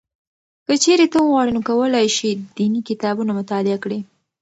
که چېرې ته وغواړې نو کولای شې دیني کتابونه مطالعه کړې.